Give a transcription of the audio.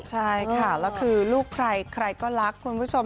ใช่ค่ะแล้วคือลูกใครใครก็รักคุณผู้ชม